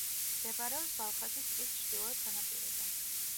მდებარეობს ბალხაშის ტბის ჩრდილოეთ სანაპიროზე.